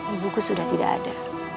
ibuku sudah tidak ada